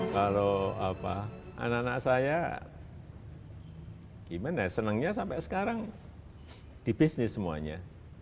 kalau anak anak saya gimana senangnya sampai sekarang di bisnis semuanya